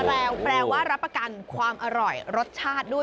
แปลว่ารับประกันความอร่อยรสชาติด้วย